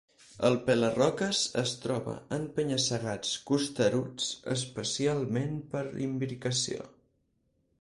El Pela-roques és trobat en penya-segats costeruts especialment per imbricació.